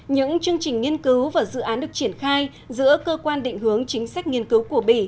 những chương trình nghiên cứu và dự án được triển khai giữa cơ quan định hướng chính sách nghiên cứu của bỉ